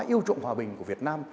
yêu trụng hòa bình của việt nam